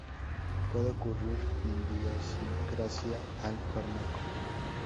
Puede ocurrir idiosincrasia al fármaco.